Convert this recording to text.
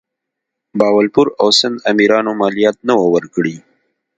بهاولپور او سند امیرانو مالیات نه وه ورکړي.